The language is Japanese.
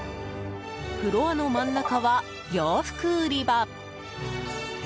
フロアの真ん中は、洋服売り場。